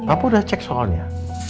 apa udah cek soalnya